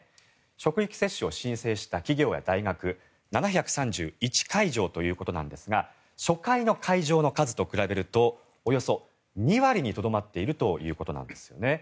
職域接種を申請した企業や大学７３１会場ということなんですが初回の会場の数と比べるとおよそ２割にとどまっているということなんですね。